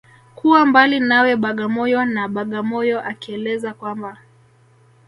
Kuwa mbali nawe Bagamoyo na Bagamoyo akieleza kwamba